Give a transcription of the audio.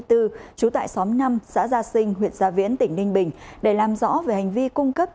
trú tại xóm năm xã gia sinh huyện gia viễn tỉnh ninh bình để làm rõ về hành vi cung cấp